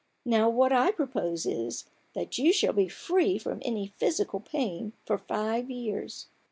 Now, what I propose is, that you shall be free from any physical pain for five years."